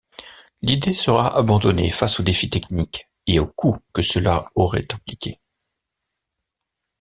L'idée sera abandonnée face au défi technique et au coût que cela aurait impliqué.